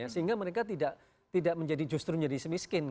sehingga mereka tidak menjadi justru menjadi semiskin